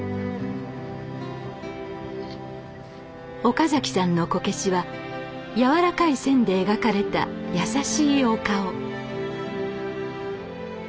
岡崎さんのこけしは柔らかい線で描かれた優しいお顔